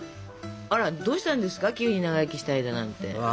あらどうしたんですか急に長生きしたいだなんて。